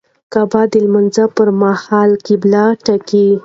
کعبه د لمانځه پر مهال قبله ټاکي.